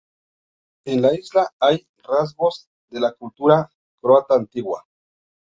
En la isla hay rasgos de la cultura croata antigua.